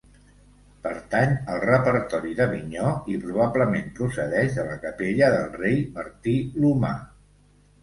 Pertany al repertori d'Avinyó i probablement procedeix de la capella del rei Martí l'Humà.